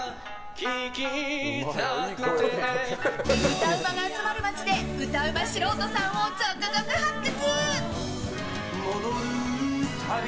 歌うまが集まる街で歌うま素人さんを続々発掘。